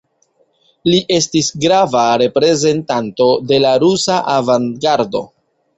Li estis grava reprezentanto de la rusa avangardo.